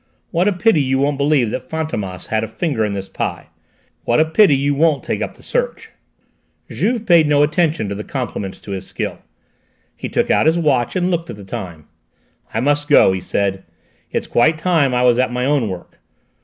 What a pity you won't believe that Fantômas had a finger in this pie! What a pity you won't take up the search!" Juve paid no heed to the compliments to his skill. He took out his watch and looked at the time. "I must go," he said; "it's quite time I was at my own work.